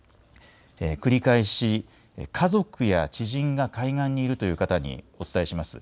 繰り返し家族や知人が海岸にいるという方にお伝えします。